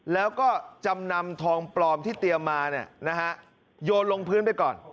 แล้วก็จำนำทองปลอมทีเตรียมมาเนี่ย